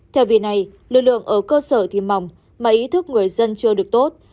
theo vì này lực lượng ở cơ sở thì mỏng mà ý thức người dân chưa được tốt